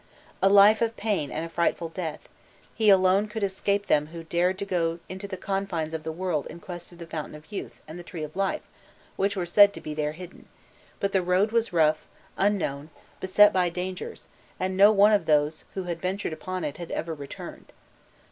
A life of pain and a frightful death he alone could escape them who dared to go to the confines of the world in quest of the Fountain of Youth and the Tree of Life which were said to be there hidden; but the road was rough, unknown, beset by dangers, and no one of those who had ventured upon it had ever returned.